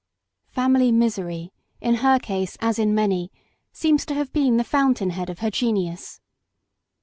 Family misery, in her case as in many, seems to have been the fountain head of her genius.